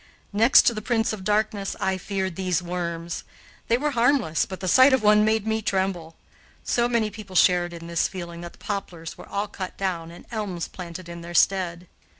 Next to the Prince of Darkness, I feared these worms. They were harmless, but the sight of one made me tremble. So many people shared in this feeling that the poplars were all cut down and elms planted in their stead.